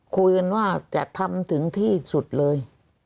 คุยกันว่าจะทำถึงที่สุดเลย